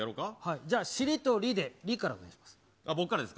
じゃあ、しりとりでりからお願いします。